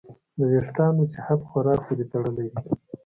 د وېښتیانو صحت خوراک پورې تړلی دی.